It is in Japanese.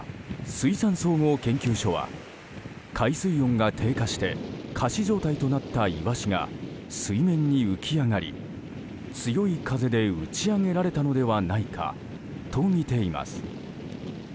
水産総合研究所は海水温が低下して仮死状態となったイワシが水面に浮き上がり、強い風で打ち揚げられたのではないかとみています。